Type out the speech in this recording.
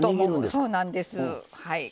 そうなんですはい。